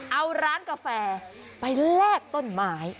เอาร้านกาแฟไปแลกต้นไม้